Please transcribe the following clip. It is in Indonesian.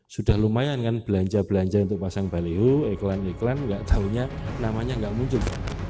sudah lumayan kan belanja belanja untuk pasang baliho iklan iklan nggak tahunya namanya nggak muncul